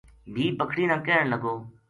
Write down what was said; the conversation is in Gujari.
بھی پکھنی نا کہن لگو